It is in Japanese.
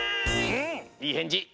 うんいいへんじ！